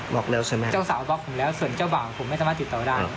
บล็อกแล้วใช่ไหมเจ้าสาวบล็อกผมแล้วส่วนเจ้าบ่าวผมไม่สามารถติดต่อได้